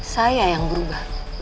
saya yang berubah